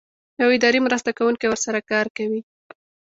یو اداري مرسته کوونکی ورسره کار کوي.